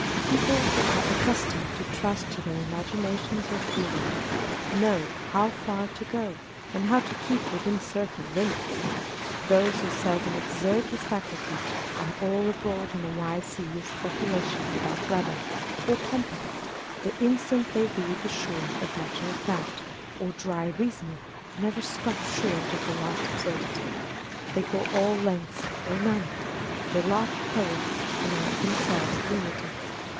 People who are accustomed to trust to their imaginations or feelings, know how far to go, and how to keep within certain limits : those who seldom exert these faculties are all . abroad in a wide sea of speculation without rudder or compass, the instant they leave the shore of matter of fact or dry reasoning, and never stop short of the last absurdity. They go all lengths, or none. They laugh at poets, and are themselves lunatics.